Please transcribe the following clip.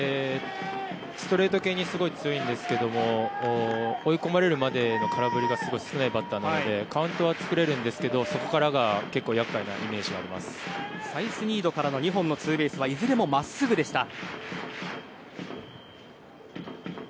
ストレート系にすごい強いんですけども追い込まれるまでの空振りがすごい少ないバッターなのでカウントは作れるんですけどそこからがサイスニードからの２本のツーベースはいずれも真っすぐでした。